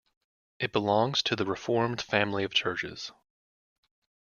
It belongs to the reformed family of churches.